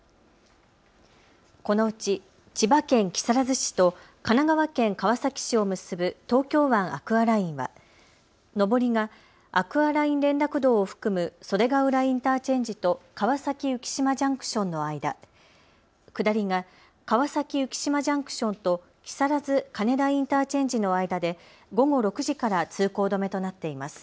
このうち千葉県木更津市と神奈川県川崎市を結ぶ東京湾アクアラインは上りがアクアライン連絡道を含む袖ヶ浦インターチェンジと川崎浮島ジャンクションの間、下りが川崎浮島ジャンクションと木更津金田インターチェンジの間で午後６時から通行止めとなっています。